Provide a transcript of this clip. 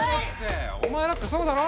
お前だってそうだろ？